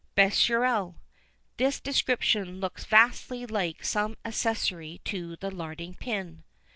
Bescherelle. This description looks vastly like some accessory to the larding pin.